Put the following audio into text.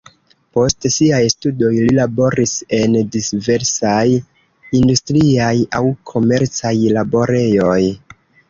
Post siaj studoj li laboris en diversaj industriaj aŭ komercaj laborejoj.